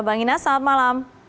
bang inas selamat malam